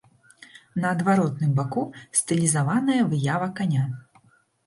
На адваротным баку стылізаваная выява каня.